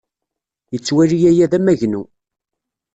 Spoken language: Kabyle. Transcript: Yettwali aya d amagnu.